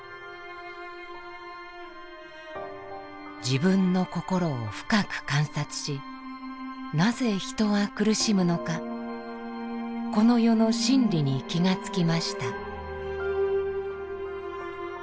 自分の心を深く観察しなぜ人は苦しむのかこの世の真理に気が付きました。